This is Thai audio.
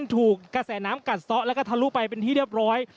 ถูกกระแสน้ำกัดซ้อแล้วก็ทะลุไปเป็นที่เรียบร้อย